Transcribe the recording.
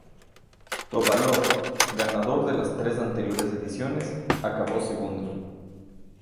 Topalov, ganador de las tres anteriores ediciones, acabó segundo.